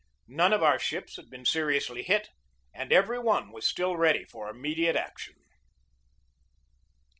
None of our ships had been seriously hit, and every one was still ready for immediate action.